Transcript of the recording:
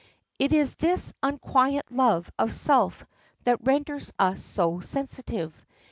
It is this unquiet love of self that renders us so sensitive.